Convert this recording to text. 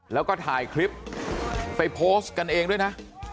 แล้วก็ถ่ายคลิปไปโพสต์กันเองด้วยนะ